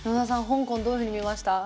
香港どういうふうに見ました？